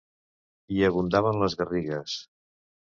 Hi abundaven les garrigues.